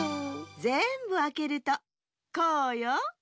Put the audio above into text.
ぜんぶあけるとこうよ。